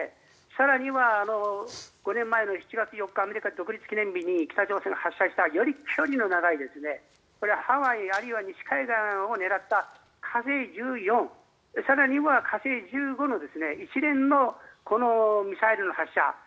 更には５年前の７月４日アメリカの独立記念日に北朝鮮が発射したより飛距離の長いこれはハワイ、あるいは西海岸を狙った火星１４更には火星１５の一連のミサイルの発射。